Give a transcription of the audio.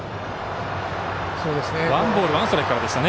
ワンボールワンストライクからでした。